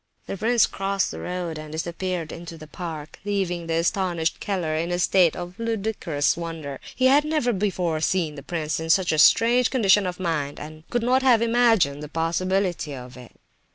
The prince crossed the road, and disappeared into the park, leaving the astonished Keller in a state of ludicrous wonder. He had never before seen the prince in such a strange condition of mind, and could not have imagined the possibility of it.